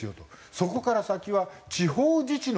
そこから先は地方自治の管理ですと。